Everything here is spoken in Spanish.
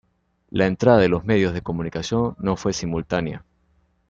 La entrada de los medios de comunicación no fue simultánea.